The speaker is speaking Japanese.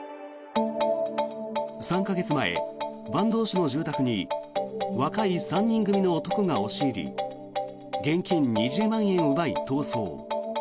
３か月前、坂東市の住宅に若い３人組の男が押し入り現金２０万円を奪い逃走。